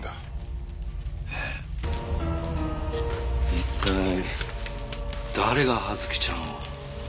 一体誰が葉月ちゃんを？